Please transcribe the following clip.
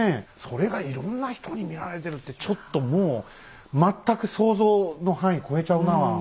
それがいろんな人に見られてるってちょっともう全く想像の範囲超えちゃうなあ。